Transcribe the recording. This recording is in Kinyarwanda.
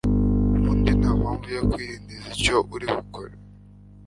ubundi ntampamvu yo kwirindiriza icyo uri bukore